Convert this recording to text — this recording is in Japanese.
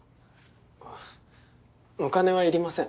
ああお金はいりません。